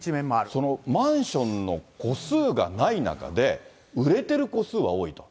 そのマンションの戸数がない中で、売れてる戸数は多いと。